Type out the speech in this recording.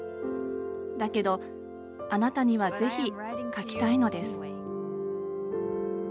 だけど、あなたにはぜひ書きたいのです。